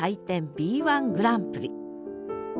Ｂ−１グランプリ！